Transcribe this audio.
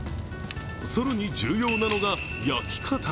更に重要なのが焼き方。